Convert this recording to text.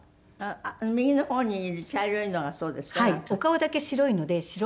あっ右の方にいる茶色いのがそうですか？